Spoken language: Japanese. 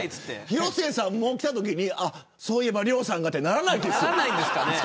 広末さんも起きたときにそういえば亮さんがってならないですよ。